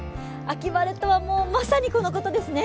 秋晴れとは、もうまさにこのことですね。